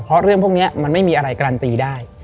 เพราะเรื่องพวกนี้มันไม่มีอะไรการันตีได้